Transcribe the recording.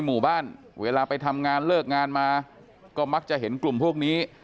หมู่บ้านเวลาไปทำงานเลิกงานมาก็มักจะเห็นกลุ่มพวกนี้